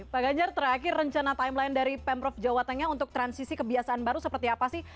pak ganjar terakhir rencana timeline dari pemprov jawa tengah untuk transisi kebiasaan baru seperti apa sih